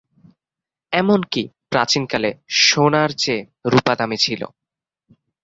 এমনকি প্রাচীনকালে সোনার চেয়ে রুপা দামী ছিল।